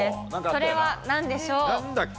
それはなんでしょう。